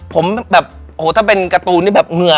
ผมแบบโอ้โหถ้าเป็นการ์ตูนนี่แบบเหงื่อ